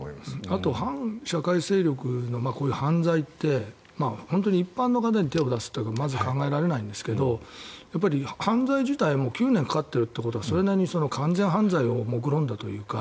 あと反社会勢力の犯罪って一般の方に手を出すというのはまず考えられないんですけどやっぱり犯罪自体も９年かかっているということはそれなりに完全犯罪をもくろんだというか